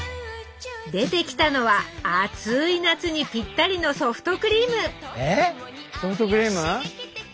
出てきたのは熱い夏にぴったりのソフトクリームえっ⁉ソフトクリーム？